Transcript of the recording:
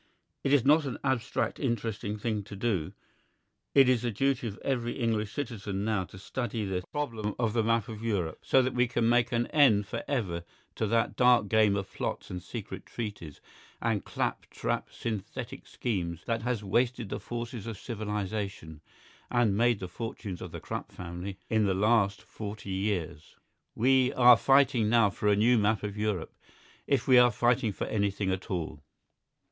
It is not an abstract interesting thing to do; it is the duty of every English citizen now to study this problem of the map of Europe, so that we can make an end for ever to that dark game of plots and secret treaties and clap trap synthetic schemes that has wasted the forces of civilisation (and made the fortunes of the Krupp family) in the last forty years. We are fighting now for a new map of Europe if we are fighting for anything at all.